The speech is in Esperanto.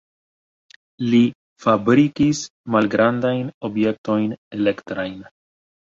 Li fabrikis malgrandajn objektojn elektrajn.